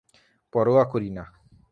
পরোয়া করি না।